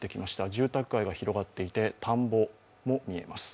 住宅街が広がっていて田んぼも見えます。